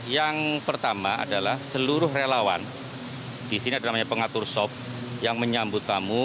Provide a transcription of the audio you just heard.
yang pertama adalah seluruh relawan di sini ada namanya pengatur sop yang menyambut tamu